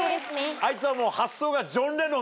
あいつはもう。